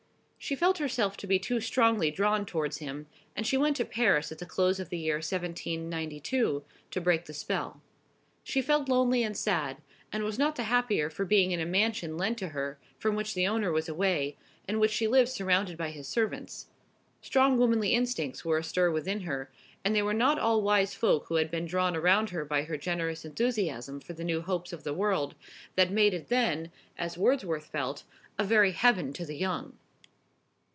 She felt herself to be too strongly drawn towards him, and she went to Paris at the close of the year 1792, to break the spell. She felt lonely and sad, and was not the happier for being in a mansion lent to her, from which the owner was away, and in which she lived surrounded by his servants. Strong womanly instincts were astir within her, and they were not all wise folk who had been drawn around her by her generous enthusiasm for the new hopes of the world, that made it then, as Wordsworth felt, a very heaven to the young.